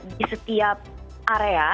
di setiap area